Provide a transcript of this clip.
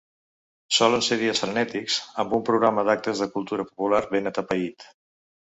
Solen ser dies frenètics amb un programa d’actes de cultura popular ben atapeït.